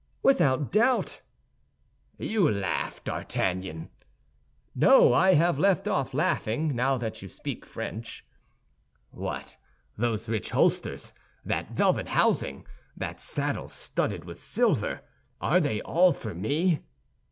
"Without doubt." "You laugh, D'Artagnan." "No, I have left off laughing, now that you speak French." "What, those rich holsters, that velvet housing, that saddle studded with silver—are they all for me?"